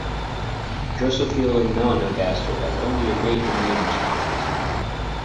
"Drosophila melanogaster" has only innate immune responses.